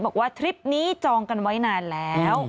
ทริปนี้จองกันไว้นานแล้ว